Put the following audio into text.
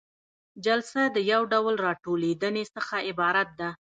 جلسه د یو ډول راټولیدنې څخه عبارت ده.